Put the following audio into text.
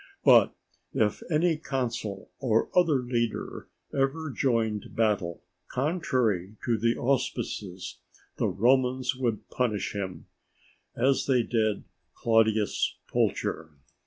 But if any consul or other leader ever joined battle contrary to the auspices, the Romans would punish him, as they did Claudius Pulcher.